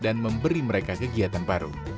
dan memberi mereka kegiatan baru